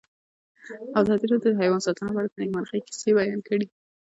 ازادي راډیو د حیوان ساتنه په اړه د نېکمرغۍ کیسې بیان کړې.